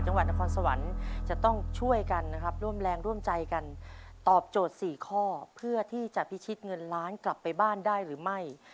จังหวัดนครสวรรค์จะต้องช่วยกันนะครับร่วมแรงร่วมใจกันตอบโจทย์สี่ข้อเพื่อที่จะพิชิตเงินล้านกลับไปบ้านได้หรือไม่